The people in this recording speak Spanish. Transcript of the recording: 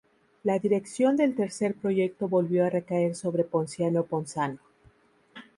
La dirección del tercer proyecto volvió a recaer sobre Ponciano Ponzano.